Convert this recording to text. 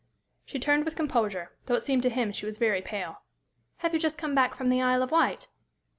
She turned with composure, though it seemed to him she was very pale. "Have you just come back from the Isle of Wight?"